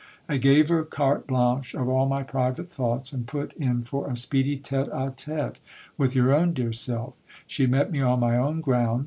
I gave her carte blanche of all my private thoughts, and put in for a speedy tete a tete with your own dear self. She met me on my own ground.